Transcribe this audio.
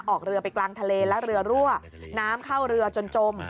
ออกเรือไปกลางทะเลและเรือรั่วน้ำเข้าเรือจนจม